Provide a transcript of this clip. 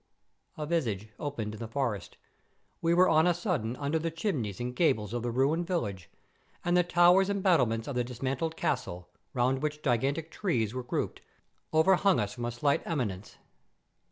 A vista opened in the forest; we were on a sudden under the chimneys and gables of the ruined village, and the towers and battlements of the dismantled castle, round which gigantic trees are grouped, overhung us from a slight eminence.